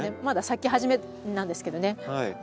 まだ咲き始めなんですけどね。